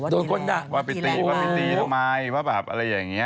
โดนคนด่าว่าไปตีว่าไปตีทำไมว่าแบบอะไรอย่างนี้